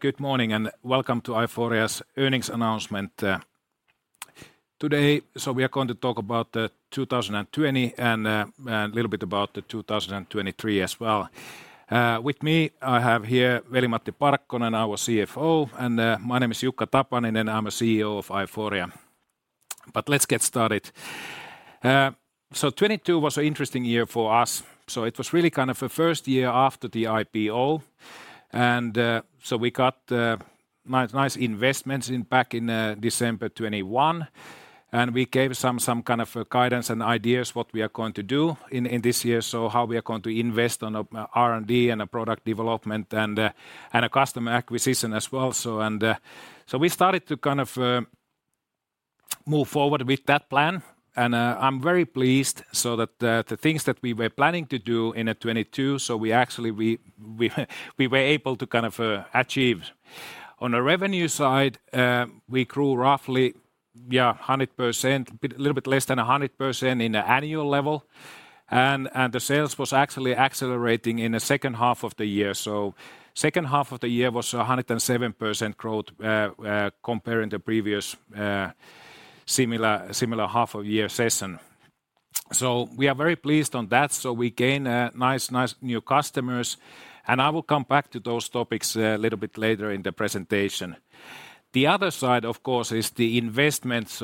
Good morning, and welcome to Aiforia's earnings announcement today. We are going to talk about 2020 and a little bit about the 2023 as well. With me I have here Veli-Matti Parkkonen, our CFO, and my name is Jukka Tapaninen, and I'm the CEO of Aiforia. Let's get started. 2022 was an interesting year for us, it was really kind of a first year after the IPO and we got nice investments in, back in December 2021 and we gave some guidance and ideas what we are going to do in this year, how we are going to invest on R&D and product development and customer acquisition as well. We started to move forward with that plan and I'm very pleased so that the things that we were planning to do in 2022, we actually we were able to achieve. On a revenue side, we grew roughly a little bit less than 100% in the annual level and the sales was actually accelerating in the second half of the year, so second half of the year was 107% growth comparing to previous similar half of year session. We are very pleased on that, so we gain nice new customers, and I will come back to those topics a little bit later in the presentation. The other side, of course, is the investments.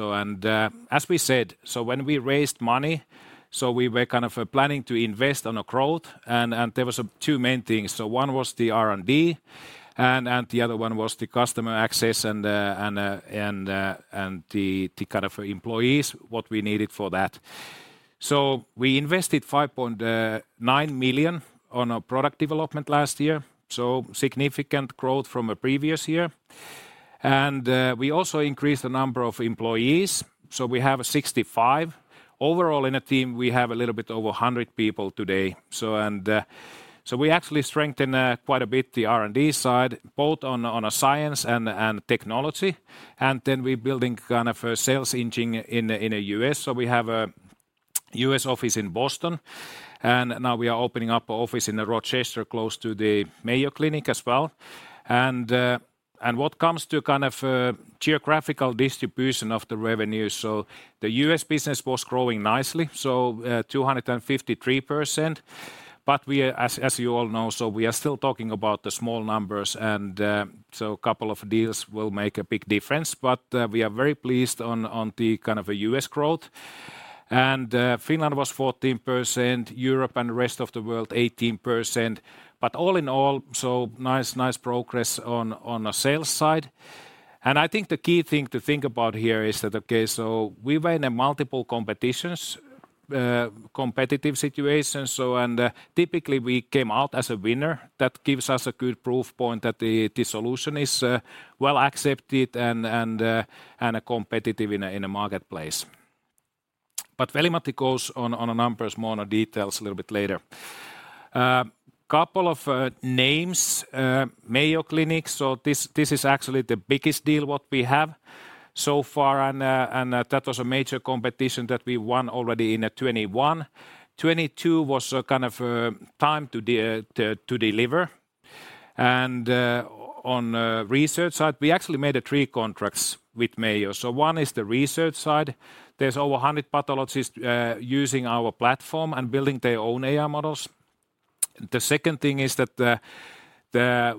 As we said, when we raised money, we were planning to invest on a growth and there was two main things. One was the R&D and the other one was the customer access and the employees, what we needed for that. We invested 5.9 million on our product development last year, so significant growth from the previous year and we also increased the number of employees, so we have 65. Overall in the team we have a little bit over 100 people today. We actually strengthen quite a bit the R&D side, both on a science and technology and then we're building kind of a sales engine in the U.S.. We have a U.S. office in Boston and now we are opening up a office in the Rochester close to the Mayo Clinic as well. What comes to geographical distribution of the revenue, the U.S. business was growing nicely, 253%, but we are as you all know, we are still talking about the small numbers. Couple of deals will make a big difference. We are very pleased on the U.S. growth and Finland was 14%, Europe and rest of the world 18%, all in all, nice progress on the sales side. I think the key thing to think about here is that, okay, we were in a multiple competitions, competitive situations, typically we came out as a winner. That gives us a good proof point that the solution is well accepted and competitive in a marketplace. Veli-Matti goes on the numbers more on the details a little bit later. Couple of names, Mayo Clinic, this is actually the biggest deal what we have so far and that was a major competition that we won already in 2021. 2022 was time to deliver on research side we actually made three contracts with Mayo. One is the research side. There's over 100 pathologists using our platform and building their own AI models. The second thing is that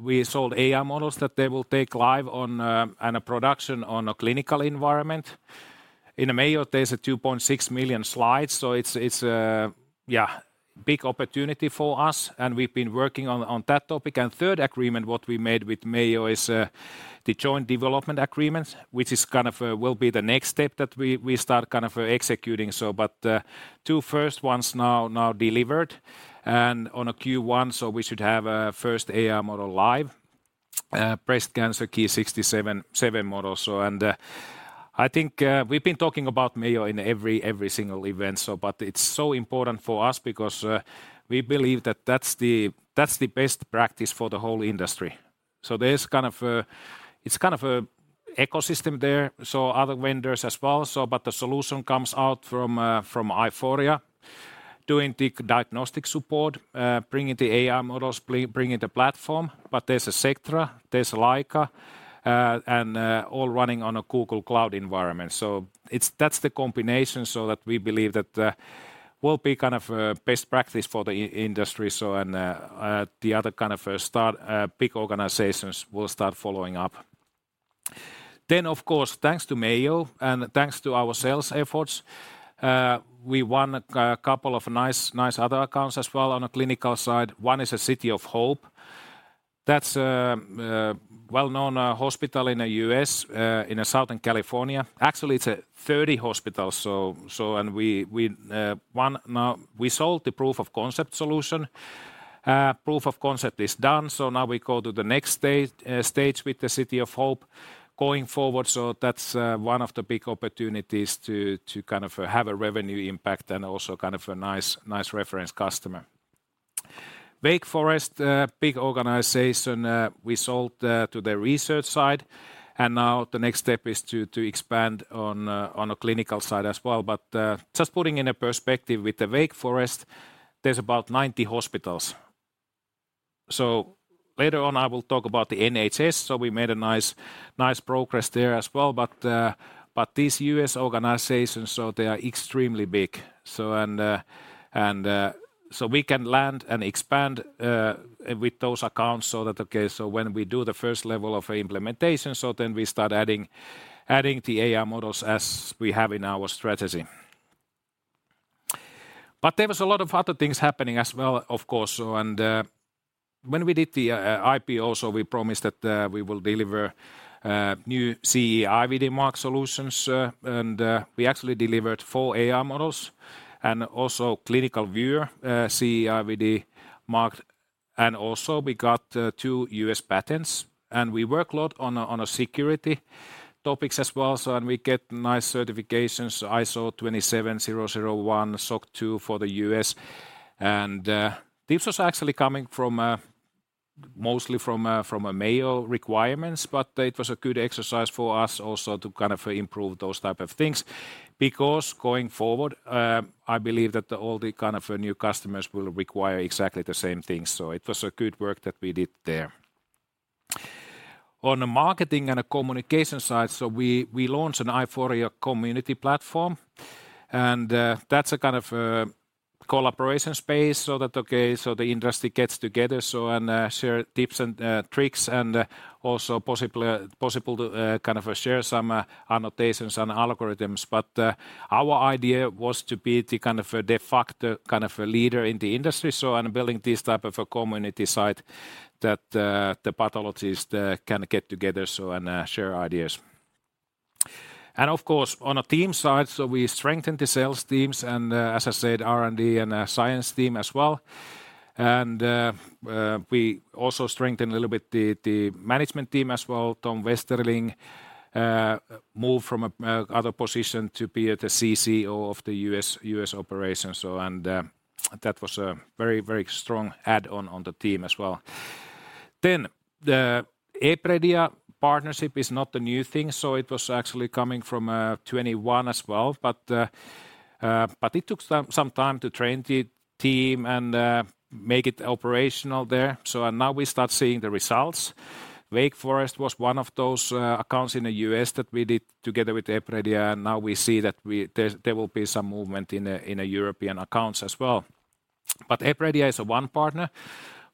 we sold AI models that they will take live on a production on a clinical environment. In Mayo, there's a 2.6 million slides, it's big opportunity for us and we've been working on that topic. Third agreement what we made with Mayo is the joint development agreement, which is kind of will be the next step that we start executing. But two first ones now delivered and on Q1, so we should have first AI model live, breast cancer Ki-67 model. I think we've been talking about Mayo in every single event, but it's so important for us because we believe that that's the best practice for the whole industry. There's an ecosystem there, other vendors as well, but the solution comes out from Aiforia doing the diagnostic support, bringing the AI models, bringing the platform. But there's Sectra, there's Leica, and all running on a Google Cloud environment That's the combination so that we believe that will be best practice for the industry so and the other big organizations will start following up. Of course, thanks to Mayo and thanks to our sales efforts, we won a couple of nice other accounts as well on a clinical side. One is City of Hope. That's a well-known hospital in U.S. in Southern California. Actually, it's a 30 hospital. Now we sold the proof of concept solution. Proof of concept is done, so now we go to the next stage with the City of Hope going forward, so that's one of the big opportunities to have a revenue impact and also a nice reference customer. Wake Forest, big organization, we sold to their research side and now the next step is to expand on a clinical side as well. Just putting in a perspective with the Wake Forest, there's about 90 hospitals. Later on I will talk about the NHS. We made a nice progress there as well. These U.S. organizations, they are extremely big. We can land and expand with those accounts so that, okay, when we do the first level of implementation, then we start adding the AI models as we have in our strategy. There was a lot of other things happening as well, of course. When we did the IPO, we promised that we will deliver new CE-IVD mark solutions. We actually delivered four AI models and also clinical viewer, CE-IVD marked. Also we got two U.S. patents, and we work a lot on security topics as well. We get nice certifications, ISO 27001, SOC 2 for the U.S. This was actually coming from mostly from a Mayo requirements, but it was a good exercise for us also to improve those type of things, because going forward, I believe that all the new customers will require exactly the same things. It was a good work that we did there. On the marketing and communication side, we launched an Aiforia Community Platform, and that's a a collaboration space, so that okay, the industry gets together and share tips and tricks and also possible to share some annotations and algorithms. Our idea was to be the kind of a de facto, a leader in the industry, building this type of a community site that the pathologists can get together and share ideas. Of course, on a team side, we strengthened the sales teams and, as I said, R&D and science team as well. We also strengthened a little bit the management team as well. Tom Westerling moved from a other position to be the CCO of the U.S. operations. That was a very, very strong add-on on the team as well. The Epredia partnership is not a new thing, it was actually coming from 2021 as well. It took some time to train the team and make it operational there. Now we start seeing the results. Wake Forest was one of those accounts in the U.S. that we did together with Epredia, and now we see that there will be some movement in the European accounts as well. Epredia is one partner,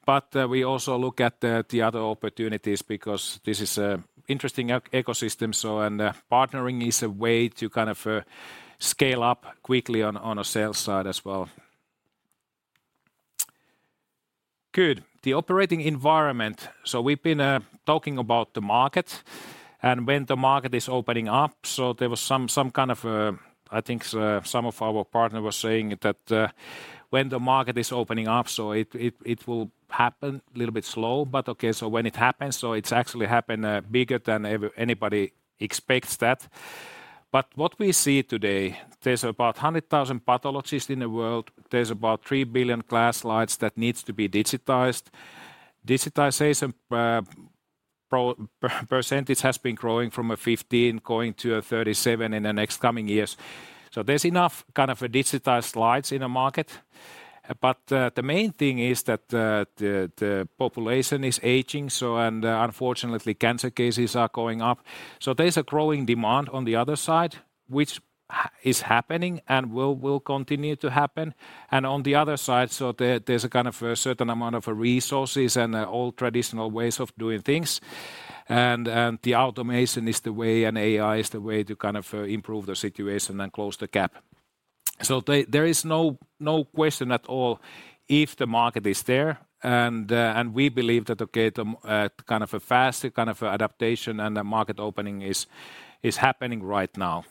but we also look at the other opportunities because this is an interesting ecosystem. Partnering is a way to scale up quickly on a sales side as well. Good. The operating environment. We've been talking about the market and when the market is opening up. There was some kind of... I think, some of our partner was saying that, when the market is opening up, it will happen a little bit slow, but okay, when it happens, it's actually happened bigger than anybody expects that. What we see today, there's about 100,000 pathologists in the world. There's about 3 billion glass slides that needs to be digitized. Digitization, percentage has been growing from a 15% going to a 37% in the next coming years. There's enough digitized slides in the market. The main thing is that the population is aging, so and unfortunately cancer cases are going up. There's a growing demand on the other side, which is happening and will continue to happen. On the other side, there's a certain amount of resources and old traditional ways of doing things. The automation is the way, and AI is the way to improve the situation and close the gap. There, there is no question at all if the market is there. We believe that, okay, the kind of a fast adaptation and the market opening is happening right now.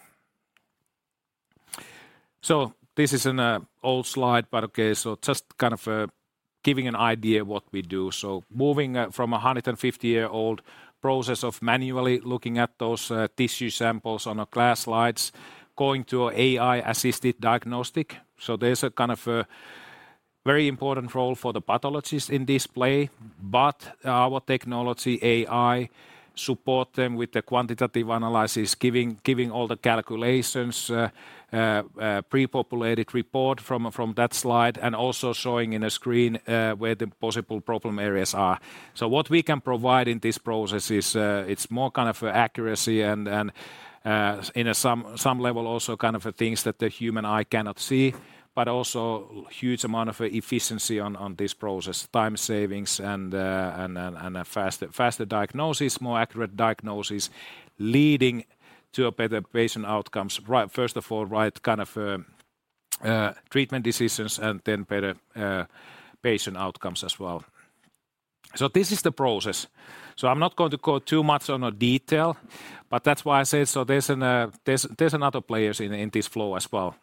This is an old slide, but okay, just giving an idea what we do. Moving from a 150-year-old process of manually looking at those tissue samples on glass slides, going to AI-assisted diagnostic. There's a very important role for the pathologist in this play. Our technology, AI, support them with the quantitative analysis, giving all the calculations, pre-populated report from that slide, and also showing in a screen where the possible problem areas are. What we can provide in this process is, it's more accuracy and, in a some level also things that the human eye cannot see, but also huge amount of efficiency on this process, time savings and faster diagnosis, more accurate diagnosis, leading to a better patient outcomes. First of all, right treatment decisions and then better patient outcomes as well. This is the process. I'm not going to go too much on a detail, but that's why I said, there's another players in this flow as well.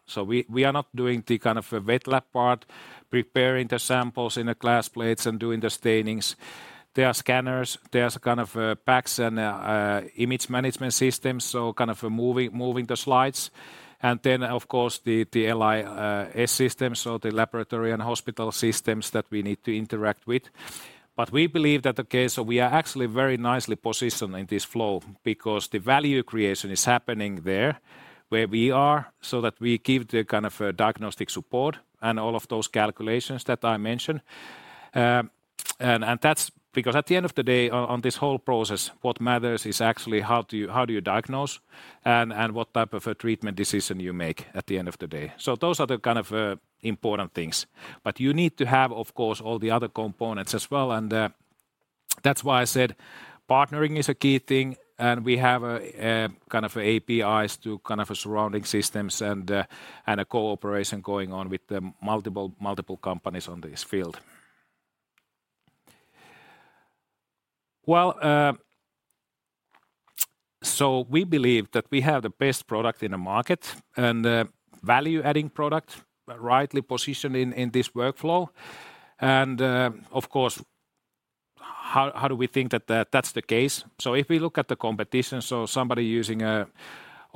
We are not doing the wet lab part, preparing the samples in the glass plates and doing the stainings. There are scanners, there's PACS and image management systems, moving the slides. Then of course, the LIS systems, the laboratory and hospital systems that we need to interact with. We believe that okay, we are actually very nicely positioned in this flow because the value creation is happening there where we are, that we give the diagnostic support and all of those calculations that I mentioned. That's because at the end of the day, on this whole process, what matters is actually how do you diagnose and what type of a treatment decision you make at the end of the day. Those are the important things. You need to have, of course, all the other components as well and that's why I said partnering is a key thing, and we have APIs to kind of surrounding systems and a cooperation going on with the multiple companies on this field. Well, we believe that we have the best product in the market, and value-adding product rightly positioned in this workflow. Of course, how do we think that that's the case? If we look at the competition, so somebody using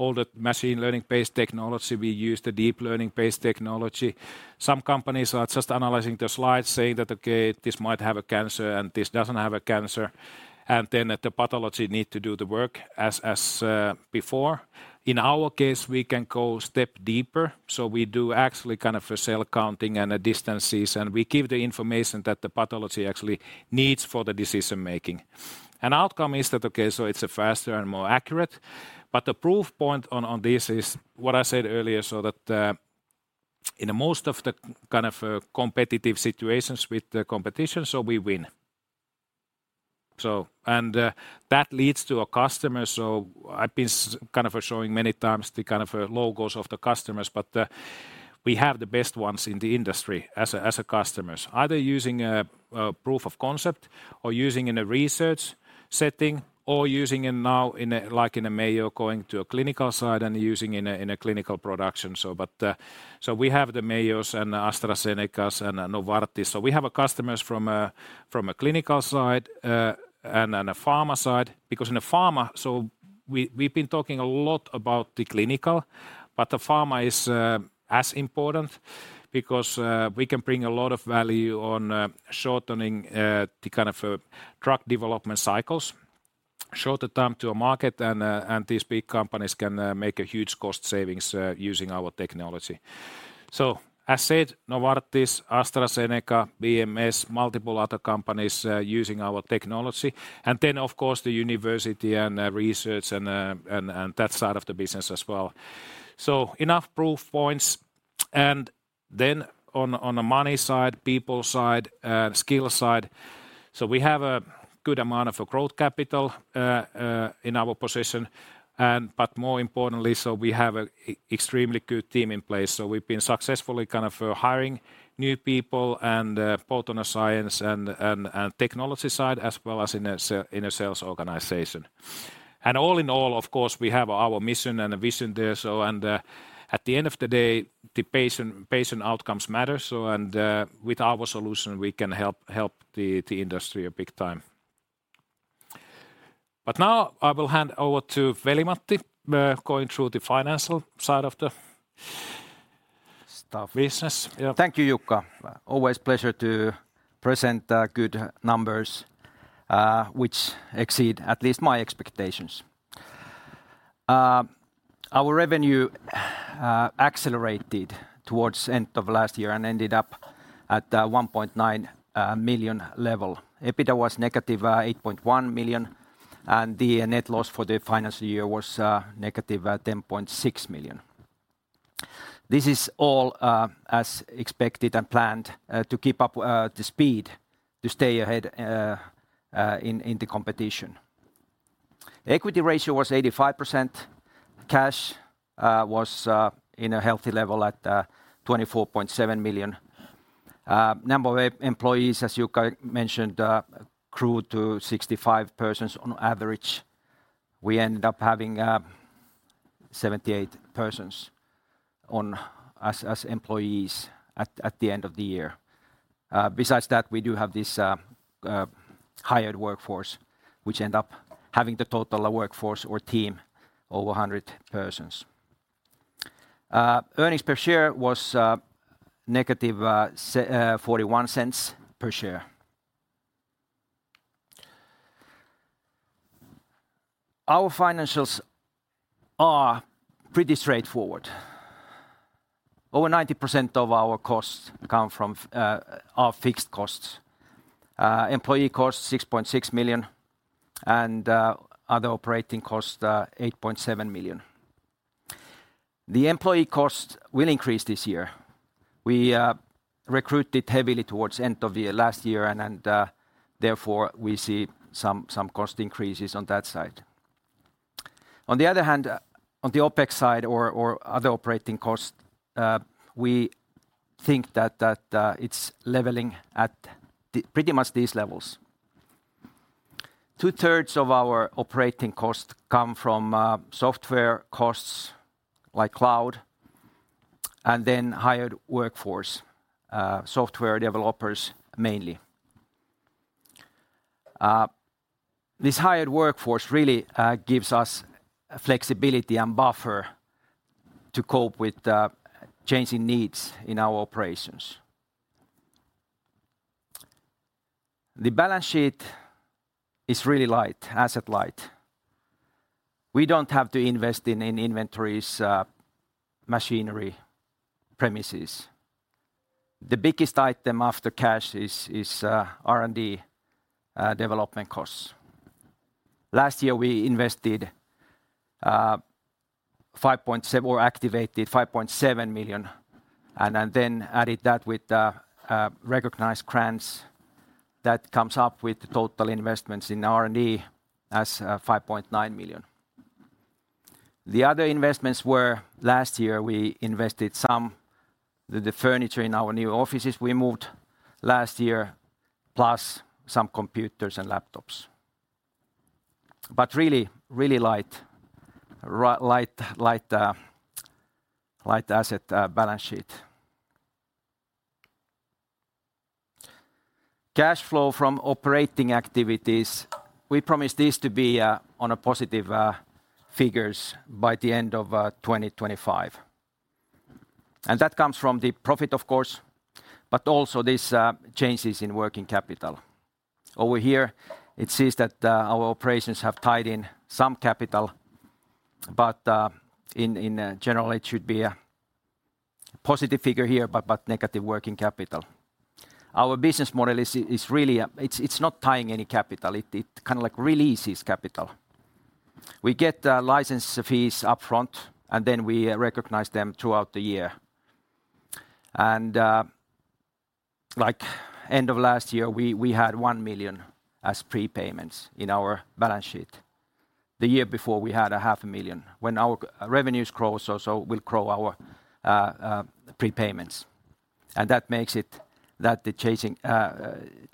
all the machine learning-based technology. We use the deep learning-based technology. Some companies are just analyzing the slides, saying that, "Okay, this might have a cancer and this doesn't have a cancer," and then the pathology need to do the work as before. In our case, we can go a step deeper, so we do actually kind of a cell counting and a distances, and we give the information that the pathology actually needs for the decision making. An outcome is that, okay, so it's faster and more accurate, but the proof point on this is what I said earlier, so that in most of the competitive situations with the competition, so we win. That leads to a customer. I've been showing many times the logos of the customers. We have the best ones in the industry as customers, either using a proof of concept or using in a research setting or using it now like in Mayo, going to a clinical side and using in a clinical production. We have the Mayos and AstraZeneca's and Novartis. We have our customers from a clinical side and a pharma side. Because in pharma, we've been talking a lot about the clinical, but the pharma is as important because we can bring a lot of value on shortening the drug development cycles, shorter time to market and these big companies can make a huge cost savings using our technology. As said, Novartis, AstraZeneca, BMS, multiple other companies using our technology, and then of course the university and research and that side of the business as well. Enough proof points. On a money side, people side, skill side, we have a good amount of a growth capital in our position. More importantly, we have a extremely good team in place. We've been successfully hiring new people and both on the science and technology side, as well as in a sales organization. All in all, of course, we have our mission and vision there. At the end of the day, the patient outcomes matter, so and with our solution, we can help the industry big time. Now I will hand over to Veli-Matti. We're going through the financial side of the- Stuff Business. Yeah. Thank you, Jukka. Always pleasure to present good numbers, which exceed at least my expectations. Our revenue accelerated towards end of last year and ended up at 1.9 million level. EBITDA was -8.1 million, and the net loss for the financial year was -10.6 million. This is all as expected and planned to keep up the speed to stay ahead in the competition. Equity ratio was 85%. Cash was in a healthy level at 24.7 million. Number of employees, as Jukka mentioned, grew to 65 persons on average. We end up having 78 persons as employees at the end of the year. Besides that, we do have this hired workforce, which end up having the total workforce or team over 100 persons. Earnings per share was -0.41 per share. Our financials are pretty straightforward. Over 90% of our costs come from our fixed costs. Employee costs, 6.6 million, and other operating costs are 8.7 million. The employee costs will increase this year. We recruited heavily towards end of last year, and therefore, we see some cost increases on that side. On the other hand, on the OpEx side or other operating costs, we think that it's leveling at pretty much these levels. Two-thirds of our operating costs come from software costs like cloud and then hired workforce, software developers mainly. This hired workforce really gives us flexibility and buffer to cope with the changing needs in our operations. The balance sheet is really light, asset light. We don't have to invest in inventories, machinery premises. The biggest item after cash is R&D development costs. Last year, we activated 5.7 million and then added that with a recognized grants that comes up with total investments in R&D as 5.9 million. The other investments were last year, we invested some the furniture in our new offices we moved last year, plus some computers and laptops. Really light asset balance sheet. Cash flow from operating activities, we promise this to be on a positive figures by the end of 2025. That comes from the profit of course, but also this changes in working capital. Over here it says that our operations have tied in some capital but in general, it should be a positive figure here, but negative working capital. Our business model is really, it's not tying any capital, it kinda like releases capital. We get license fees up front, then we recognize them throughout the year. Like end of last year, we had 1 million as prepayments in our balance sheet. The year before we had a half a million. When our revenues grow, so will grow our prepayments. That makes it that the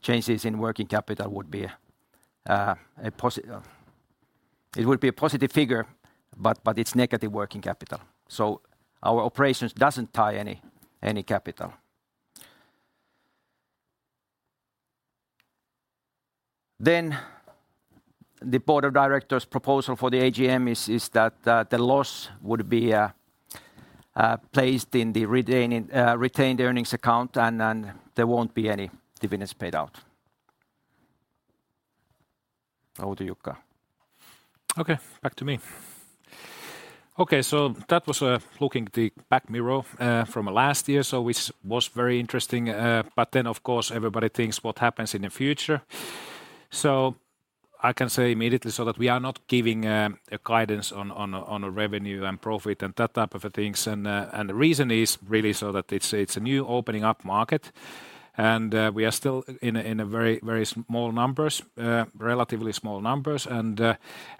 changes in working capital would be a positive figure, but it's negative working capital. Our operations doesn't tie any capital. The board of directors proposal for the AGM is that the loss would be placed in the retained earnings account and then there won't be any dividends paid out. Over to Jukka. Okay, back to me. That was looking the back mirror from last year, which was very interesting. Of course everybody thinks what happens in the future. I can say immediately that we are not giving a guidance on revenue and profit and that type of things. The reason is really that it's a new opening up market and we are still in a very, very small numbers, relatively small numbers and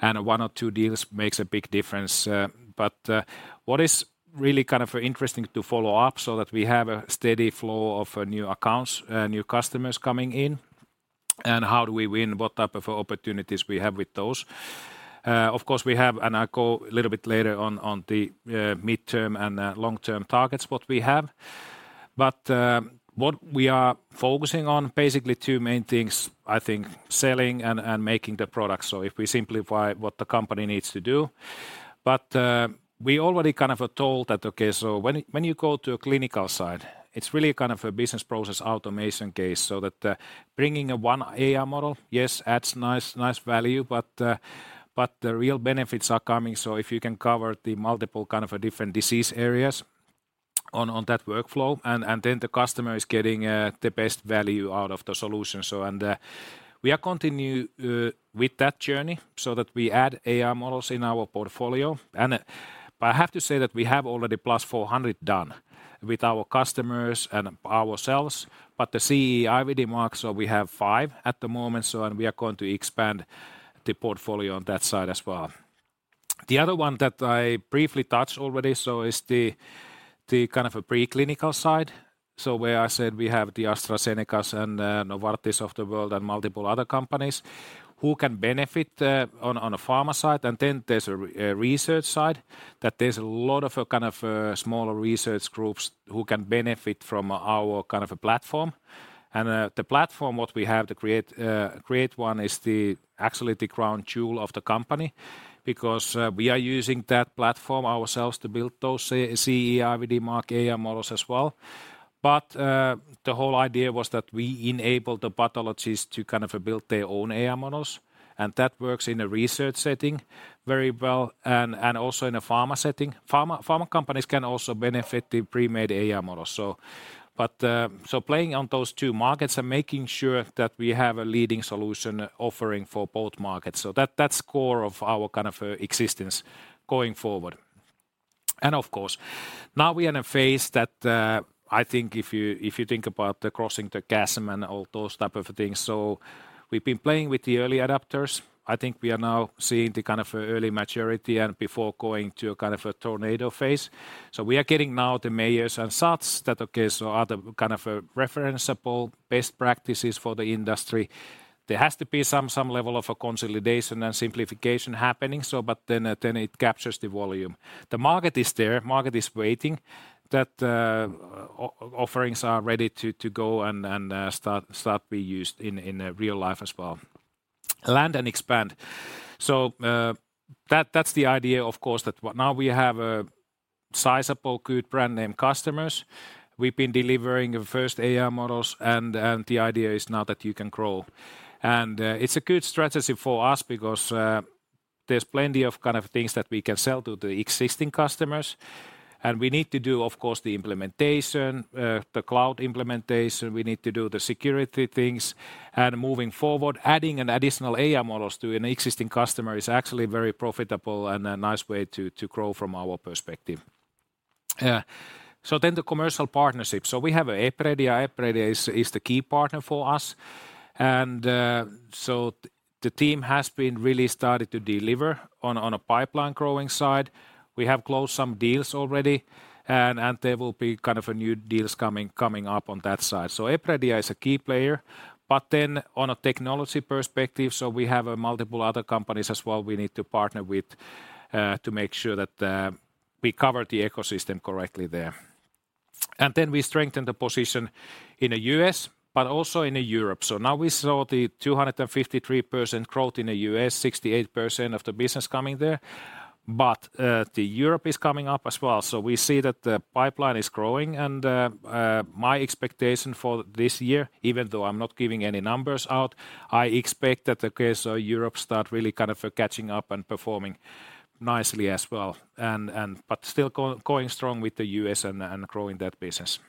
one or two deals makes a big difference. What is really interesting to follow up that we have a steady flow of new accounts, new customers coming in and how do we win, what type of opportunities we have with those. Of course, we have. I'll go a little bit later on the midterm and the long-term targets, what we have. What we are focusing on, basically two main things, I think selling and making the product. If we simplify what the company needs to do. We already are told that, okay, when you go to a clinical side, it's really a business process automation case, so that bringing a one AI model, yes, adds nice value. The real benefits are coming, if you can cover the multiple different disease areas on that workflow, and then the customer is getting the best value out of the solution. We are continue with that journey so that we add AI models in our portfolio. I have to say that we have already +400 done with our customers and ourselves. The CE-IVD mark, we have five at the moment. We are going to expand the portfolio on that side as well. The other one that I briefly touched already is the kind of a preclinical side. Where I said we have the AstraZenecas and Novartis of the world and multiple other companies who can benefit on a pharma side. Then there's a research side that there's a lot of smaller research groups who can benefit from our kind of a platform. The platform, what we have to create one is actually the crown jewel of the company because we are using that platform ourselves to build those CE-IVD mark AI models as well. The whole idea was that we enable the pathologists to build their own AI models, and that works in a research setting very well and also in a pharma setting. Pharma companies can also benefit the pre-made AI models. Playing on those two markets and making sure that we have a leading solution offering for both markets. That's core of our existence going forward. Of course, now we are in a phase that I think if you think about the Crossing the Chasm and all those type of things. We've been playing with the early adopters. I think we are now seeing the early maturity and before going to a kind of a tornado phase. We are getting now the Mayo and such that okay, are the kind of a referenceable best practices for the industry. There has to be some level of a consolidation and simplification happening, it captures the volume. The market is there, market is waiting that offerings are ready to go and start being used in real life as well. Land and expand. That's the idea of course that what now we have sizable, good brand name customers. We've been delivering the first AI models and the idea is now that you can grow. It's a good strategy for us because there's plenty of things that we can sell to the existing customers and we need to do, of course, the implementation, the cloud implementation, we need to do the security things and moving forward, adding an additional AI models to an existing customer is actually very profitable and a nice way to grow from our perspective. The commercial partnership. We have Epredia. Epredia is the key partner for us. The team has been really started to deliver on a pipeline growing side. We have closed some deals already and there will be new deals coming up on that side. Epredia is a key player, but then on a technology perspective, we have multiple other companies as well we need to partner with to make sure that we cover the ecosystem correctly there. We strengthen the position in the U.S., but also in Europe. Now we saw the 253% growth in the U.S., 68% of the business coming there. The Europe is coming up as well. We see that the pipeline is growing and my expectation for this year, even though I'm not giving any numbers out, I expect that, okay, Europe start really catching up and performing nicely as well but still going strong with the U.S. and growing that business.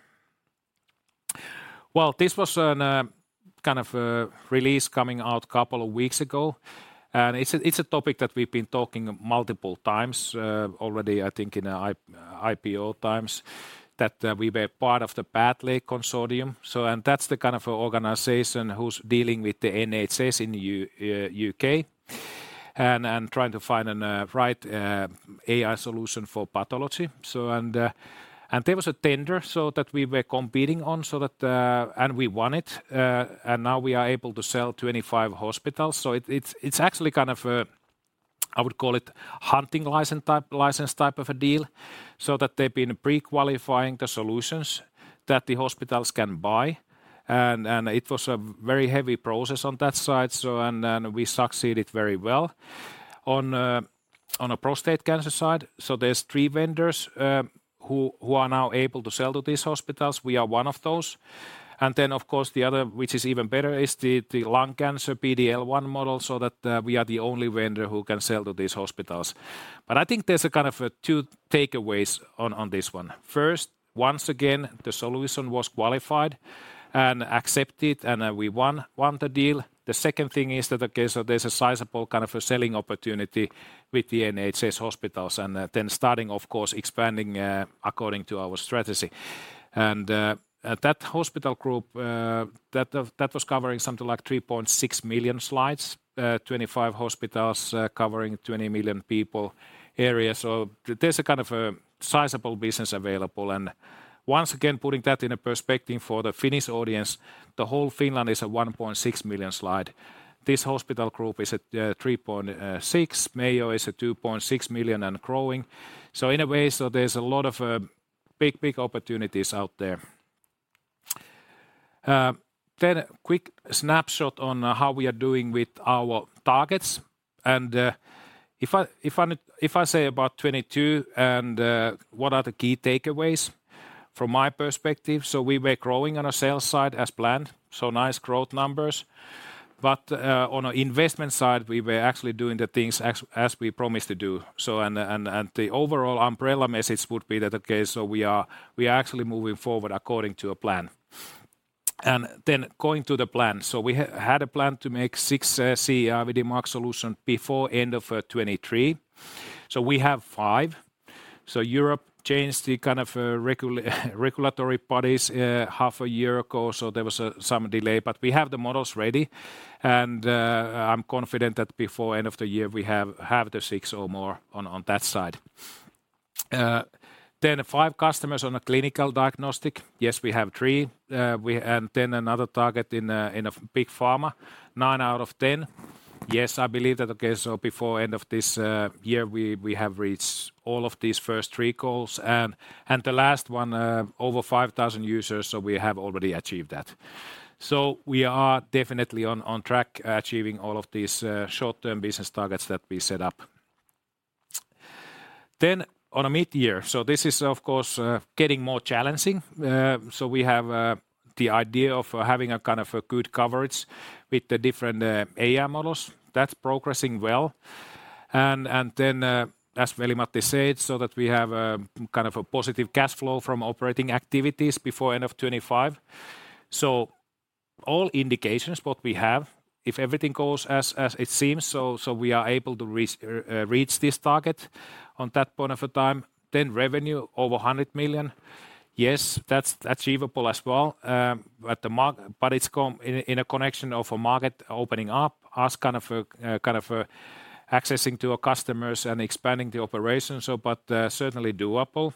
Well, this was a release coming out a couple of weeks ago. It's a topic that we've been talking multiple times already, I think in IPO times, that we were part of the PathLAKE consortium. That's the organization who's dealing with the NHS in U.K. and trying to find a right AI solution for pathology. There was a tender, so that we were competing on, and we won it, and now we are able to sell 25 hospitals. It's actually kind of a, I would call it hunting license type of a deal, so that they've been pre-qualifying the solutions that the hospitals can buy. It was a very heavy process on that side, so and then we succeeded very well. On a prostate cancer side, so there's three vendors who are now able to sell to these hospitals. We are one of those. Of course, the other, which is even better, is the lung cancer PD-L1 model, so that we are the only vendor who can sell to these hospitals. I think there's two takeaways on this one. First, once again, the solution was qualified and accepted, and we won the deal. The second thing is that, okay, so there's a sizable kind of a selling opportunity with the NHS hospitals and then starting, of course, expanding according to our strategy. At that hospital group that was covering something like 3.6 million slides, 25 hospitals covering 20 million people area. There's a sizable business available. Once again, putting that in a perspective for the Finnish audience, the whole Finland is a 1.6 million slide. This hospital group is at 3.6. Mayo is at 2.6 million and growing. In a way, there's a lot of big opportunities out there. Quick snapshot on how we are doing with our targets. If I say about 2022 and what are the key takeaways from my perspective. We were growing on a sales side as planned, so nice growth numbers. On investment side, we were actually doing the things as we promised to do. And the overall umbrella message would be that, okay, we are actually moving forward according to a plan. Going to the plan. We had a plan to make six CE-IVD mark solution before end of 2023. We have five. Europe changed the regulatory bodies half a year ago, so there was some delay, but we have the models ready. I'm confident that before end of the year, we have the six or more on that side. Then five customers on a clinical diagnostic. Yes, we have three. And then another target in a big pharma, nine out of 10. Yes, I believe that, okay, before end of this year, we have reached all of these first three goals. The last one, over 5,000 users, so we have already achieved that. We are definitely on track achieving all of these short-term business targets that we set up. On a mid-year. This is, of course, getting more challenging. We have the idea of having a good coverage with the different AI models. That's progressing well. Then, as Veli-Matti said, that we have a positive cash flow from operating activities before end of 2025. All indications, what we have, if everything goes as it seems, we are able to reach this target on that point of a time, then revenue over 100 million. Yes, that's achievable as well, in a connection of a market opening up, us kind of, accessing to our customers and expanding the operations, but, certainly doable.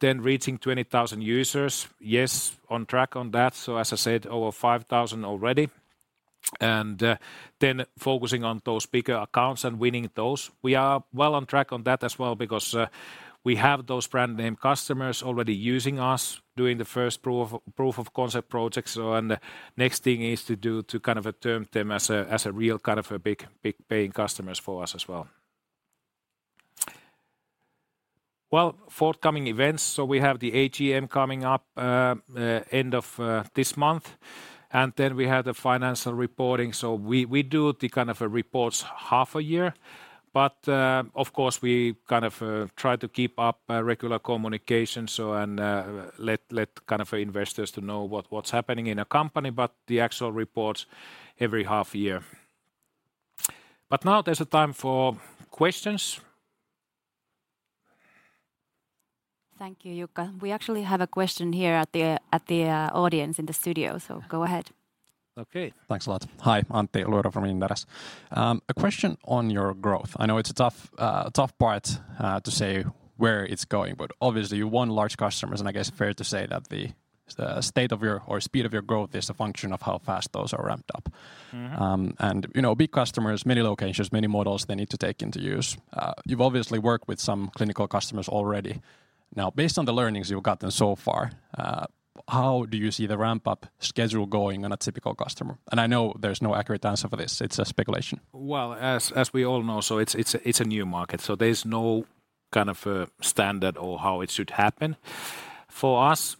Then reaching 20,000 users. Yes. On track on that. As I said, over 5,000 already. Then focusing on those bigger accounts and winning those. We are well on track on that as well because we have those brand name customers already using us, doing the first proof of concept projects. Next thing is to do turn them as a real, a big paying customers for us as well. Well, forthcoming events, we have the AGM coming up end of this month and then we have the financial reporting. We, we do the kind of a reports half a year but of course we try to keep up regular communication. Let investors to know what's happening in a company but the actual reports every half year. Now there's a time for questions. Thank you, Jukka. We actually have a question here at the audience in the studio, go ahead. Okay. Thanks a lot. Hi, Antti Luiro from Inderes. A question on your growth. I know it's a tough part to say where it's going but obviously you won large customers and I guess fair to say that the state of your or speed of your growth is a function of how fast those are ramped up. You know, big customers, many locations, many models they need to take into use. You've obviously worked with some clinical customers already. Now, based on the learnings you've gotten so far, how do you see the ramp-up schedule going on a typical customer? I know there's no accurate answer for this. It's a speculation. As we all know, it's a new market, there's no kind of a standard or how it should happen. For us,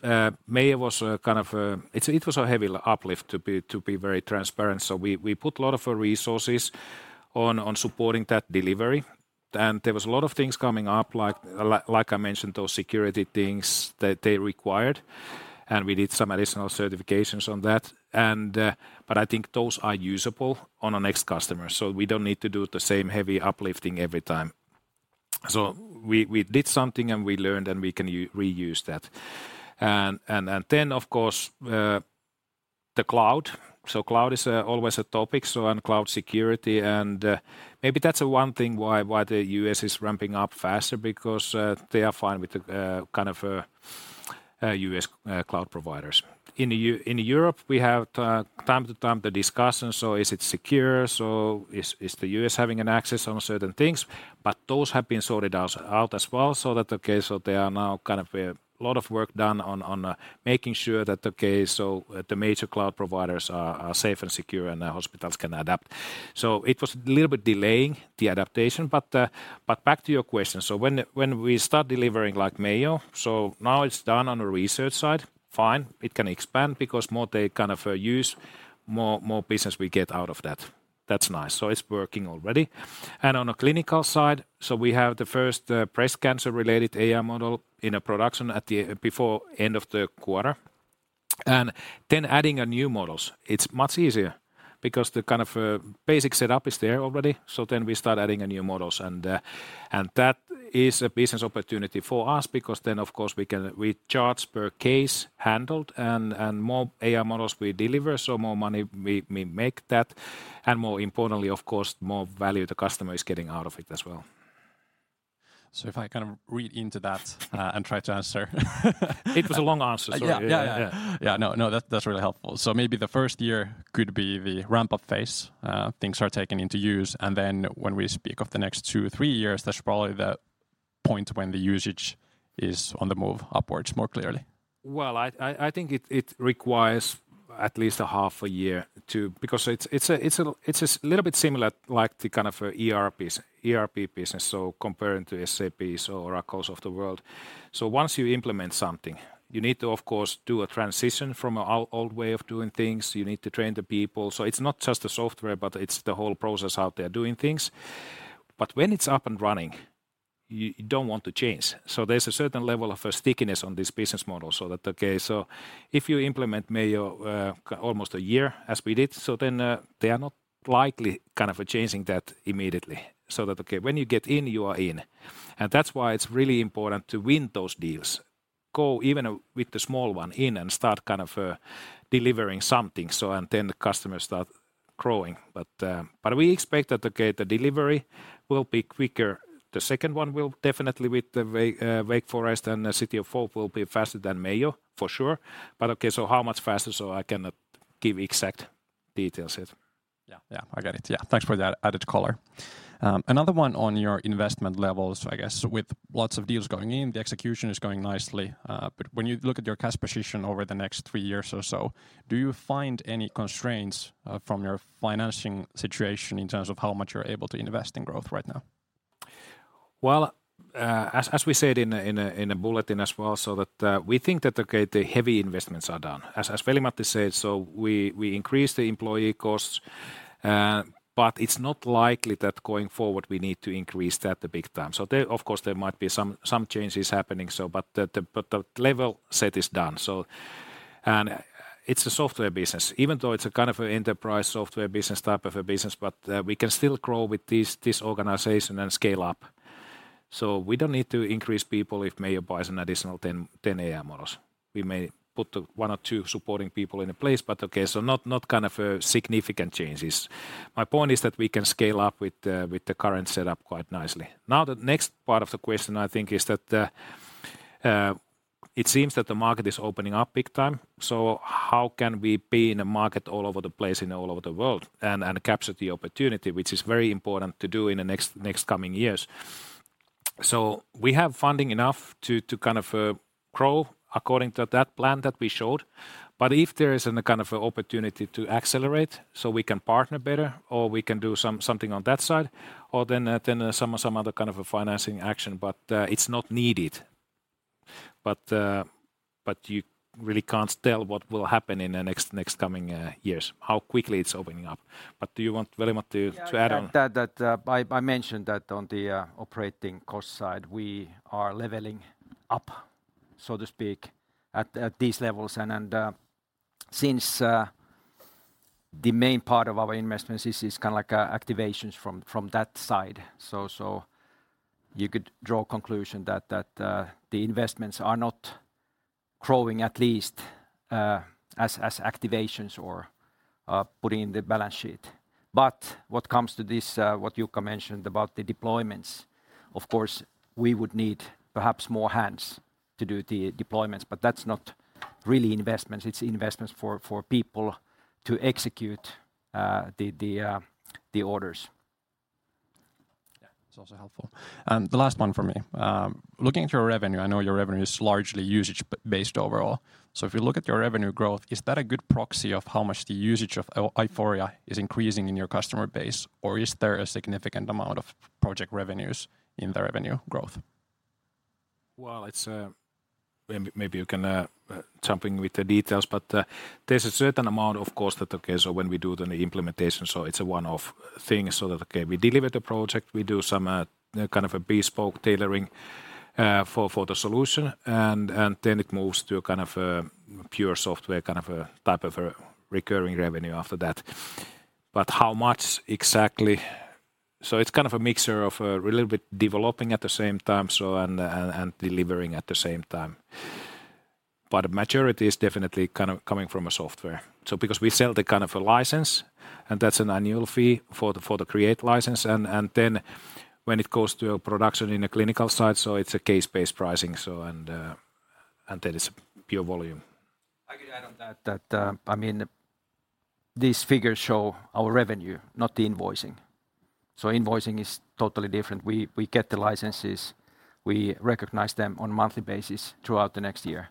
Mayo was kind of. It was a heavy uplift to be very transparent, so we put a lot of our resources on supporting that delivery and there was a lot of things coming up like I mentioned, those security things that they required and we did some additional certifications on that. I think those are usable on the next customer, so we don't need to do the same heavy uplifting every time. We did something and we learned and we can reuse that. Then of course, the cloud is always a topic and cloud security and maybe that's the one thing why the U.S. is ramping up faster because they are fine with the U.S. cloud providers. In Europe we have time to time the discussion: is it secure? Is the U.S. having an access on certain things? Those have been sorted out as well that they are now lot of work done on making sure that the major cloud providers are safe and secure and the hospitals can adapt. It was a little bit delaying the adaptation but back to your question. When we start delivering like Mayo, now it's done on the research side. Fine, it can expand because more they use, more business we get out of that. That's nice. It's working already. On a clinical side we have the first breast cancer related AI model in a production before end of the quarter. Adding a new models. It's much easier because the basic setup is there already. We start adding a new models. That is a business opportunity for us because of course we charge per case handled. More AI models we deliver, more money we make that and more importantly of course, more value the customer is getting out of it as well. If I read into that, and try to answer It was a long answer, sorry. Yeah. Yeah. No, that's really helpful. Maybe the first year could be the ramp-up phase, things are taken into use. When we speak of the next two, three years, that's probably the point when the usage is on the move upwards more clearly. I think it requires at least a half year to. It's a little bit similar like the ERP business comparing to SAP or Axapta of the world. Once you implement something, you need to of course do a transition from an old way of doing things. You need to train the people, so it's not just the software, but it's the whole process out there doing things. When it's up and running, you don't want to change, so there's a certain level of stickiness on this business model so that if you implement Mayo almost a year as we did, then they are not likely changing that immediately, so that when you get in, you are in. That's why it's really important to win those deals. Go even with the small one in and start delivering something so and then the customer start growing but we expect that okay, the delivery will be quicker. The second one will definitely with Wake Forest and the City of Hope will be faster than Mayo for sure but okay, so how much faster so I cannot give exact details yet. Yeah, yeah. I get it. Yeah. Thanks for that added color. Another one on your investment levels. I guess with lots of deals going in the execution is going nicely, when you look at your cash position over the next three years or so, do you find any constraints from your financing situation in terms of how much you're able to invest in growth right now? Well, as we said in a bulletin as well, that we think that the heavy investments are done. As Veli-Matti said, we increase the employee costs, but it's not likely that going forward we need to increase that the big time. There of course there might be some changes happening, but the level set is done. It's a software business. Even though it's a enterprise software business type of a business, but we can still grow with this organization and scale up, so we don't need to increase people if Mayo buys an additional 10 AI models. We may put one or two supporting people in place but not significant changes. My point is that we can scale up with the current setup quite nicely. The next part of the question I think is that it seems that the market is opening up big time, so how can we be in a market all over the place and all over the world and capture the opportunity which is very important to do in the next coming years? We have funding enough to grow according to that plan that we showed. If there is an opportunity to accelerate so we can partner better or we can do something on that side, or then some other kind of a financing action. It's not needed. You really can't tell what will happen in the next coming years, how quickly it's opening up. Do you want, Veli-Matti, to add on? Yeah, that, I mentioned that on the operating cost side we are leveling up, so to speak, at these levels. Since the main part of our investments is just kinda like activations from that side. You could draw conclusion that the investments are not growing at least as activations or putting the balance sheet. What comes to this, what Jukka mentioned about the deployments, of course, we would need perhaps more hands to do the deployments, but that's not really investments. It's investments for people to execute the orders. Yeah. It's also helpful. The last one from me. Looking through revenue, I know your revenue is largely usage based overall. If you look at your revenue growth, is that a good proxy of how much the usage of Aiforia is increasing in your customer base? Or is there a significant amount of project revenues in the revenue growth? Well, it's. Maybe you can jump in with the details, but there's a certain amount, of course, that, okay, when we do the implementation, it's a one-off thing. That, okay, we deliver the project, we do some kind of a bespoke tailoring for the solution. It moves to a pure software type of a recurring revenue after that. How much exactly? It's a mixture of a little bit developing at the same time and delivering at the same time. The majority is definitely coming from a software. Because we sell the kind of a license, and that's an annual fee for the create license. When it goes to a production in a clinical side, so it's a case-based pricing, so, and then it's pure volume. I could add on that, I mean, these figures show our revenue, not the invoicing. Invoicing is totally different. We get the licenses, we recognize them on a monthly basis throughout the next year.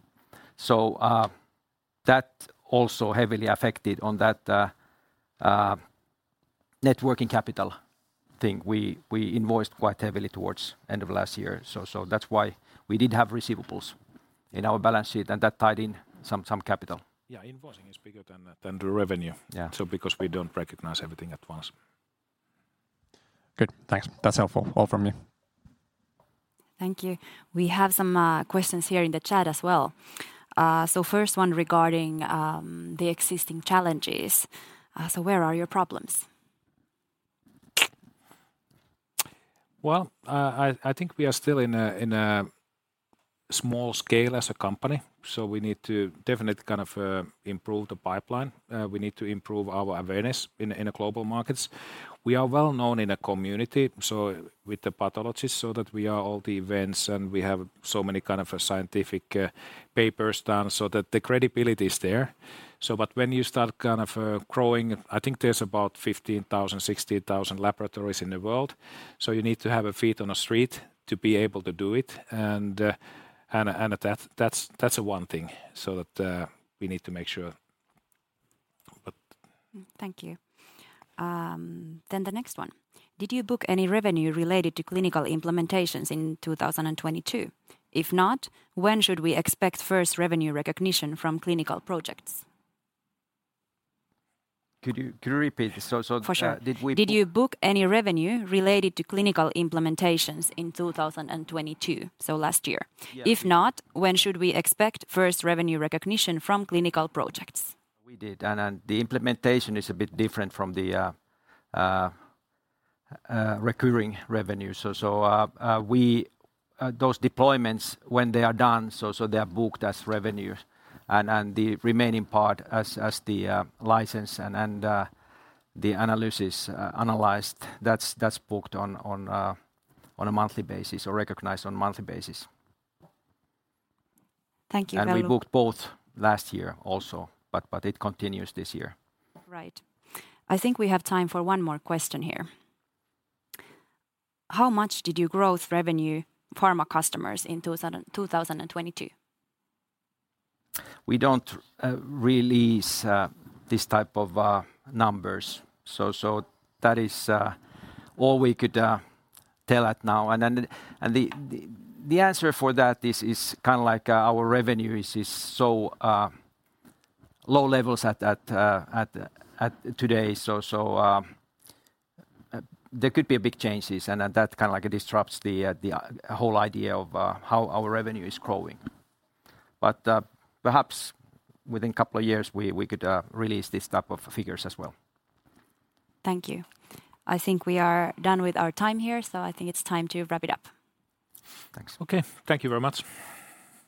That also heavily affected on that networking capital thing. We invoiced quite heavily towards end of last year. That's why we did have receivables in our balance sheet, and that tied in some capital. Yeah, invoicing is bigger than the revenue. Yeah Because we don't recognize everything at once. Good. Thanks. That's helpful. All from me. Thank you. We have some questions here in the chat as well. First one regarding the existing challenges. Where are your problems? Well, I think we are still in a small scale as a company, so we need to definitely improve the pipeline. We need to improve our awareness in the global markets. We are well-known in the community, so with the pathologists, so that we are all the events, and we have so many scientific papers done so that the credibility is there. When you start growing, I think there's about 15,000, 16,000 laboratories in the world, so you need to have a feet on the street to be able to do it. And that's the one thing, so that we need to make sure. Thank you. The next one: Did you book any revenue related to clinical implementations in 2022? If not, when should we expect first revenue recognition from clinical projects? Could you repeat? For sure. Did you book any revenue related to clinical implementations in 2022, so last year? Yeah. If not, when should we expect first revenue recognition from clinical projects? We did. The implementation is a bit different from the recurring revenue. We, those deployments when they are done, so they're booked as revenue and the remaining part as the license and the analysis, analyzed that's booked on a monthly basis or recognized on monthly basis. Thank you. We booked both last year also, but it continues this year. Right. I think we have time for one more question here. How much did you growth revenue pharma customers in 2022? We don't release this type of numbers. That is all we could tell at now. Then, the answer for that is like, our revenue is so low levels at today. There could be big changes and that like disrupts the whole idea of how our revenue is growing. Perhaps within couple of years we could release this type of figures as well. Thank you. I think we are done with our time here. I think it's time to wrap it up. Thanks. Okay. Thank you very much.